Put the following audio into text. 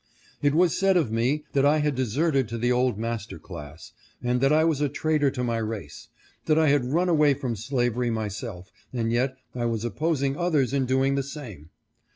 It was said of me, that I had deserted to the old master class, and that I was a traitor to my race ; that I had run away from slavery myself, and yet I was opposing others in doing the same.